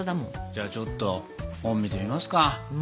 じゃあちょっと本見てますか。